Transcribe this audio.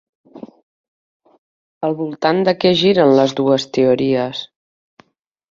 Al voltant de què giren les dues teories?